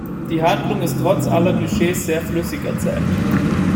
Die Handlung ist trotz aller Klischees sehr flüssig erzählt.